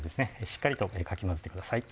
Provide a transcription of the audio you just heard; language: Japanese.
しっかりとかき混ぜてください